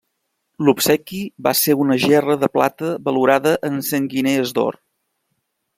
L'obsequi va ser una gerra de plata valorada en cent guinees d'or.